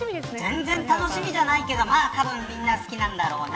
全然楽しみじゃないけどたぶんみんな好きなんだろうな。